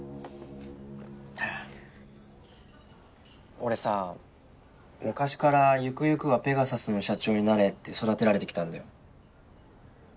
俺さ昔からゆくゆくはペガサスの社長になれって育てられてきたんだよ。